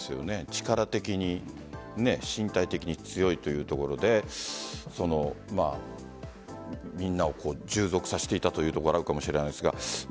力的に身体的に強いというところでみんなを従属させていたというところなのかもしれませんが。